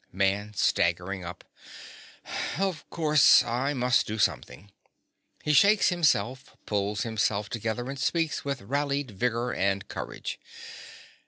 MAN. (staggering up). Of course I must do something. (_He shakes himself; pulls himself together; and speaks with rallied vigour and courage.